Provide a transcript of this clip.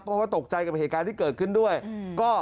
เพราะว่าตกใจกับเหตุการณ์ที่เกิดขึ้นด้วย